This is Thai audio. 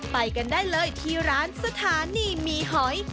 ไปกันได้เลยที่ร้านสถานีมีหอย